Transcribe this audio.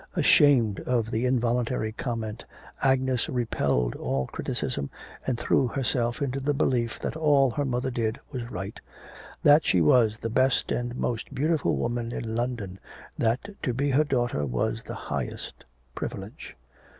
Ashamed of the involuntary comment, Agnes repelled all criticism, and threw herself into the belief that all her mother did was right, that she was the best and most beautiful woman in London, that to be her daughter was the highest privilege.